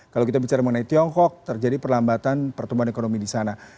kalau kita bicara mengenai tiongkok terjadi perlambatan pertumbuhan ekonomi di sana